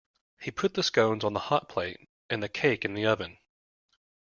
He put the scones on the hotplate, and the cake in the oven